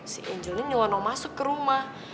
si angel ini ngelonong masuk ke rumah